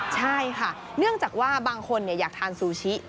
ใช่ค่ะเนื่องจากว่าบางคนอยากทานซูชิ